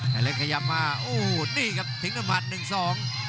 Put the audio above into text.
แล้วเลือกพยายามมาโอ้นี่ครับถึงด้วยหมัดหนึ่งสอง